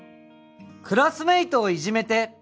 クラスメイトをイジめて